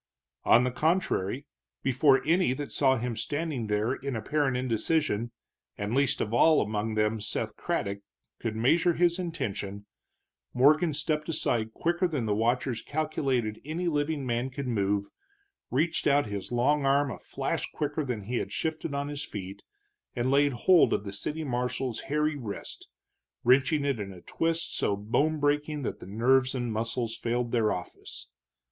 On the contrary, before any that saw him standing there in apparent indecision, and least of all among them Seth Craddock, could measure his intention, Morgan stepped aside quicker than the watchers calculated any living man could move, reached out his long arm a flash quicker than he had shifted on his feet, and laid hold of the city marshal's hairy wrist, wrenching it in a twist so bone breaking that nerves and muscles failed their office.